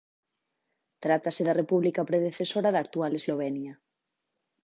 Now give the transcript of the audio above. Trátase da República predecesora da actual Eslovenia.